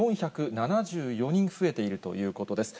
１４７４人増えているということです。